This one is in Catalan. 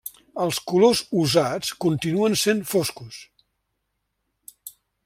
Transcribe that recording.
Els colors usats continuen sent foscos.